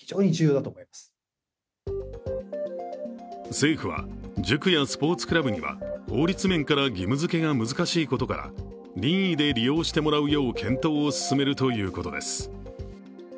政府は、塾やスポーツクラブには法律面から義務づけが難しいことから任意で利用してもらうよう検討を進めるということです。